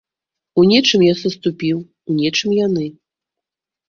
У нечым я саступіў, у нечым яны.